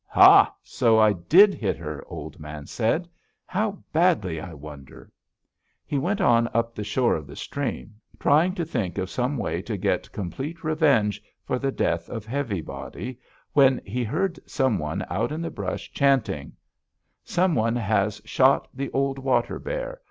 "'Ha! So I did hit her!' Old Man said. 'How badly, I wonder?' "He went on up the shore of the stream, trying to think of some way to get complete revenge for the death of Heavy Body, when he heard some one out in the brush chanting: 'Some one has shot the old water bear!